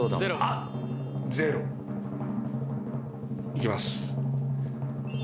行きます。